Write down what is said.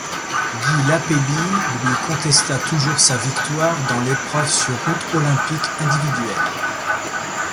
Guy Lapébie lui contesta toujours sa victoire dans l'épreuve sur route olympique individuelle.